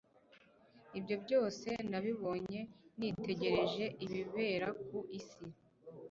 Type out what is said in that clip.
ibyo byose nabibonye nitegereje ibibera ku isi